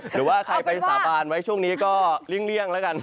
หรือว่าใครไปสาบานไว้ช่วงนี้ก็เลี่ยงแล้วกัน